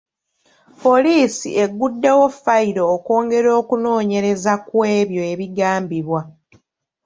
Poliisi egguddewo fayiro okwongera okunoonyereza ku ebyo ebigambibwa.